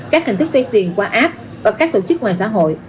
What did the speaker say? các hình thức tuyên tiền qua app và các tổ chức ngoài xã hội